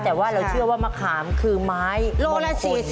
แต่ว่าเราเชื่อว่ามะขามคือไม้โลละ๔๐